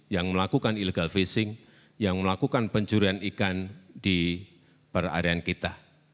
yang melakukan illegal fishing yang melakukan pencurian ikan di perarian kita